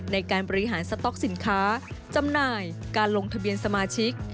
ในการบริหารสต๊อกสินค้าจำหน่ายการลงทะเบียนสมาชิก